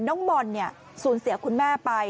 น้องบอลสูญเสียคุณแม่ไป